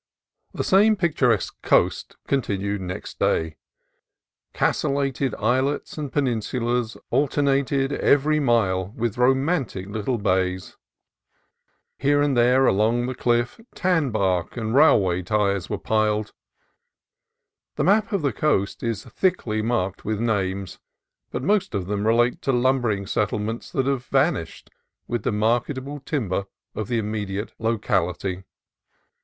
The same picturesque coast continued next day. ODD NAMES 269 Castellated islets and peninsulas alternated every mile with romantic little bays. Here and there along the cliff tan bark and railway ties were piled. The map of the coast is thickly marked with names, but most of them relate to lumbering settlements that have vanished with the marketable timber of the immediate locality.